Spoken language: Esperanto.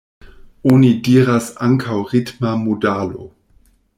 Oni diras ankaŭ ritma modalo.